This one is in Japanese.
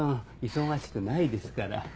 忙しくないですから。